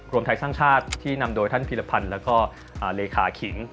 รวมไทยสร้างชาติที่นำโดยท่านพีรพันธ์แล้วก็เลขาขิง